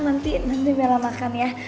nanti bella makan ya